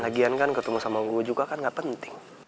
lagian kan ketemu sama gue juga kan gak penting